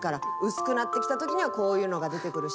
薄くなってきたときにはこういうのが出てくるし。